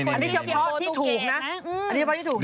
อันนี้เฉพาะที่ถูกนะ